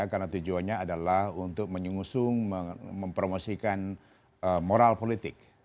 karena tujuannya adalah untuk menyengusung mempromosikan moral politik